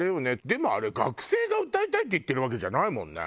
でもあれ学生が「歌いたい」って言ってるわけじゃないもんね。